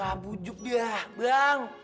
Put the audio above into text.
mabujuk dah bang